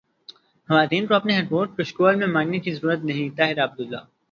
خواتین کو اپنے حقوق کشکول میں مانگنے کی ضرورت نہیں طاہرہ عبداللہ